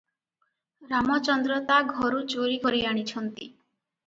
ରାମଚନ୍ଦ୍ର ତା ଘରୁ ଚୋରି କରି ଆଣିଛନ୍ତି ।